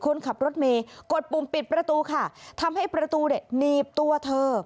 คนขับรถเมย์กดปุ่มปิดประตูค่ะทำให้ประตูเนี่ยหนีบตัวเธอ